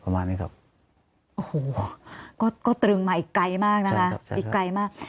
ประมาณนี้ครับโอ้โหก็ตรึงมาอีกไกลมากนะคะอีกไกลมาก